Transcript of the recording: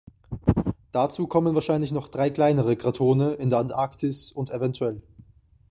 Dazu kommen wahrscheinlich noch drei kleinere Kratone in der Antarktis und ev.